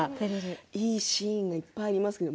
いいシーンがいっぱいありましたけど